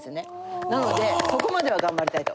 なのでそこまでは頑張りたいと思ってます。